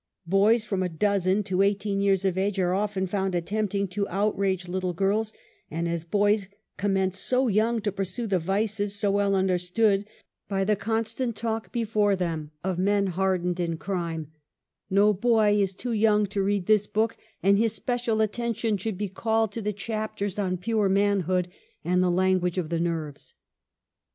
Boys from a dozen to eighteen years of age, ..are often fomid attempting to outrage little girls, and \as boys commence so young to pursue the vices so well understood by the constant talk before them of men hardened in crime, no boy is too young to read this book, and his special attention should be called to the chapters on Pure Manhood, and the Language of the ITerves.